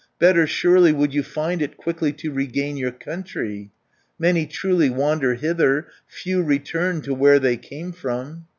Better surely would you find it Quickly to regain your country, 270 Many truly wander hither, Few return to where they came from!"